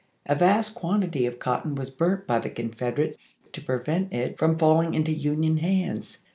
A vast quantity of cotton was burnt by the Confederates to prevent it from falling into Union hands.